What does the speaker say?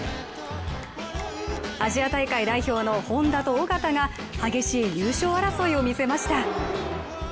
アジア大会代表の本多と小方が激しい優勝争いをみせました。